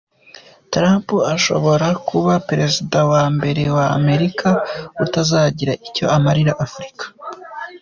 Trump ashobora kuba Pereziza wa mbere wa Amerika utazagira icyo amarira Afurika.